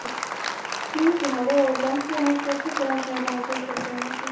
کی تہاڑے ہور لنگتھے، میں چوتھے گراں جنازے اپر گیا ناں سیس